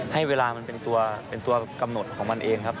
ให้เวลามันเป็นตัวเป็นตัวกำหนดของมันเองครับ